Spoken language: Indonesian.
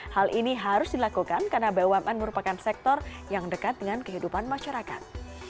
hal ini harus dilakukan karena bumn merupakan sektor yang dekat dengan kehidupan masyarakat